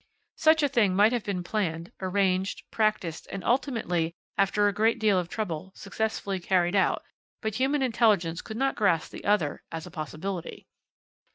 "Such a thing might have been planned, arranged, practised, and ultimately, after a great deal of trouble, successfully carried out, but human intelligence could not grasp the other as a possibility.